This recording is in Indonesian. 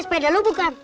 sepeda lu bukan